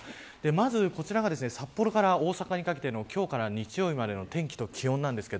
まずこちらが札幌から大阪にかけての今日から日曜日までの天気と気温です。